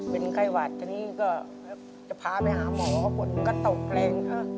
เป็นไข้หวัดทีนี้ก็จะพาไปหาหมอก็ตกแรง